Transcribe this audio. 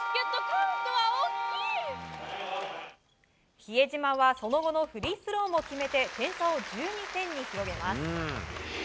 比江島はその後のフリースローも決めて点差を１２点に広げます。